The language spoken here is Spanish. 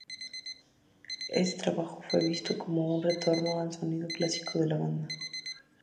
Este trabajo fue visto como un retorno al sonido clásico de la banda.